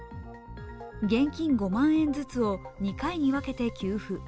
現金５万円ずつを２回に分けて給付。